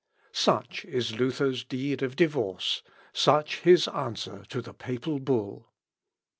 Such is Luther's deed of divorce, such his answer to the papal bull.